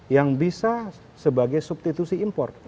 yang bisa sebagai substitusi impor